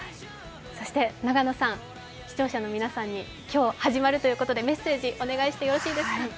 そして永野さん、視聴者の皆さんに、今日始まるということでメッセージお願いしてよろしいですか？